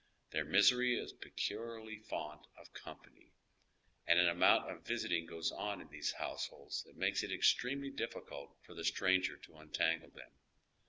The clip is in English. Their misery is peculiarly fond of companj', and an amount of visiting goes on in these households that makes it extremely difficult for the stranger to untangle them.